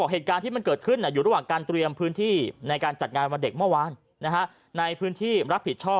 เหตุการณ์ที่เกิดขึ้นอยู่ระหว่างการเตรียมพื้นที่ในการจัดงานวันเด็กเมื่อวาน